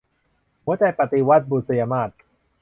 หัวใจปฏิวัติ - บุษยมาส